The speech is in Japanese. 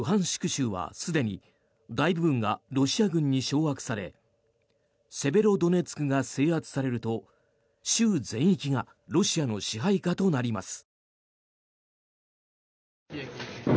州はすでに大部分がロシア軍に掌握されセベロドネツクが制圧されると州全域がロシアの支配下となります。